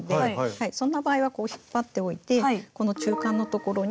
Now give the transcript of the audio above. そんな場合はこう引っ張っておいてこの中間のところに。